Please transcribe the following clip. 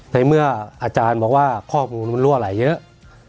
ในเมื่ออาจารย์บอกว่าข้อมูลมันรั่วไหลเยอะ